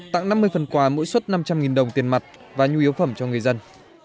tặng năm mươi phần quà mỗi xuất năm trăm linh đồng tiền mặt và nhu yếu phẩm cho người dân